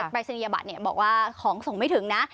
รายศนียบัตรบอกว่าของส่งไม่ถึงนะ